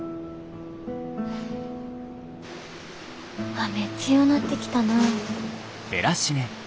雨強なってきたな。